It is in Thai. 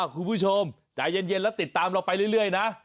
คุณผู้ชมใจเย็นแล้วติดตามเราไปเรื่อยนะ